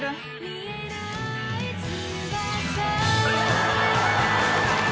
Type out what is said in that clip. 「見えない翼」